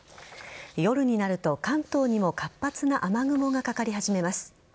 夜になると関東にも活発な雨雲がかかり始めます。